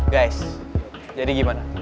guys jadi gimana